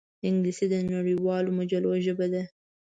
انګلیسي د نړیوالو مجلو ژبه ده